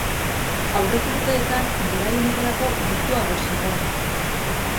Aurreko urteetan garai honetarako gertuago zegoen.